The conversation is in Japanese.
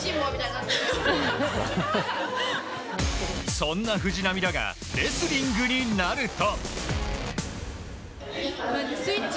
そんな藤波だがレスリングになると。